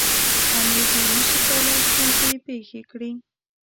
امیر نور نه شي کولای ستونزې پېښې کړي.